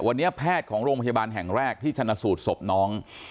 วันนี้แพทย์ของโรงพยาบาลแห่งแรกที่ชนะสูตรศพน้อง